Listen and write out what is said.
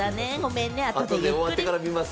後で終わってから見ます。